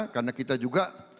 karena kita juga